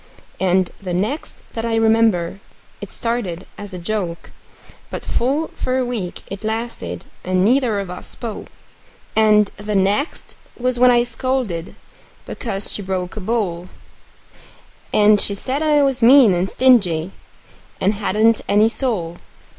And the next that I remember, it started in a joke; But full for a week it lasted, and neither of us spoke. And the next was when I scolded because she broke a bowl; And she said I was mean and stingy, and hadn't any soul.